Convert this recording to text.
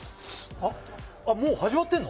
あっ、もう始まってんの？